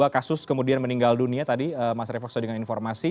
kasus kemudian meninggal dunia tadi mas revolusi dengan informasi